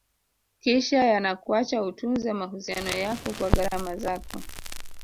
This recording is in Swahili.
kisha yanakuacha utunze mahusiano yako kwa gharama zako